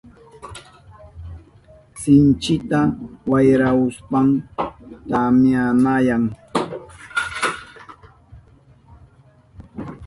Sinchita wayrahushpan tamyanayan.